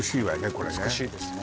これね美しいですね